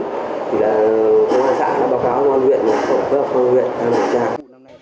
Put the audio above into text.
thì là công an xã đã báo cáo công an huyện phát hạ xã huyện phát hạ xã